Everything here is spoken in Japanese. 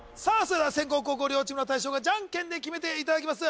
それでは先攻・後攻両チームの大将がジャンケンで決めていただきます